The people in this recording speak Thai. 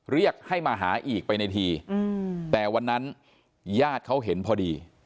เรียกให้มาหาอีกไปในทีแต่วันนั้นญาติเขาเห็นพอดี